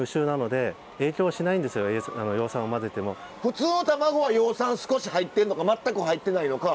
普通のたまごは葉酸少し入ってんのか全く入ってないのか。